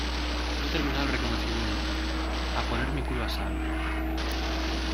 no he terminado el reconocimiento. a poner mi culo a salvo .